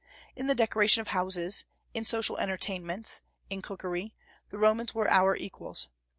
In the decoration of houses, in social entertainments, in cookery, the Romans were our equals.